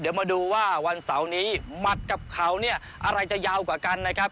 เดี๋ยวมาดูว่าวันเสาร์นี้หมัดกับเขาเนี่ยอะไรจะยาวกว่ากันนะครับ